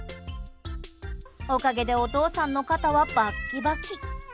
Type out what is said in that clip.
おかげでお父さんの肩はバッキバキ。